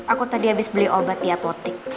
aku tadi abis beli obat di apotek